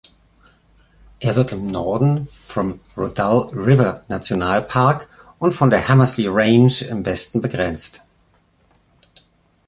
Er wird im Norden vom Rudall-River-Nationalpark und von der Hamersley Range im Westen begrenzt.